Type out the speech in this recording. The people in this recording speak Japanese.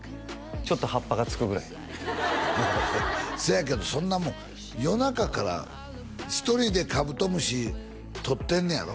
ちょっと葉っぱがつくぐらいせやけどそんなもん夜中から１人でカブトムシとってんねやろ？